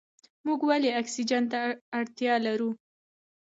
موږ ولې اکسیجن ته اړتیا لرو؟